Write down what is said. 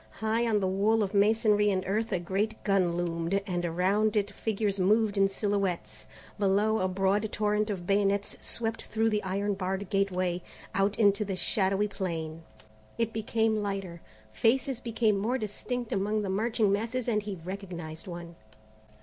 High on the wall of masonry and earth a great gun loomed, and around it figures moved in silhouettes. Below, a broad torrent of bayonets swept through the iron barred gateway, out into the shadowy plain. It became lighter. Faces grew more distinct among the marching masses and he recognized one.